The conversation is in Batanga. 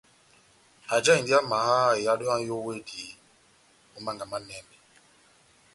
Ajahindi amaha ehádo yá nʼyówedi ó mánga manɛnɛ.